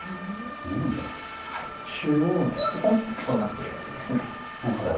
中央のポコンとなってるやつですね。